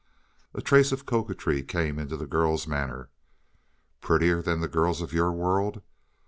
A trace of coquetry came into the girl's manner. "Prettier than the girls of your world?